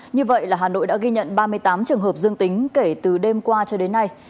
như vậy là hà nội đã ghi nhận ba mươi tám trường hợp dương tính kể từ đêm qua cho đến nay